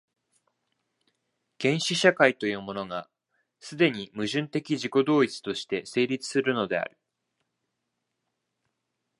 原始社会というものが、既に矛盾的自己同一として成立するのである。